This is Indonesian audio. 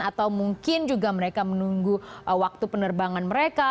atau mungkin juga mereka menunggu waktu penerbangan mereka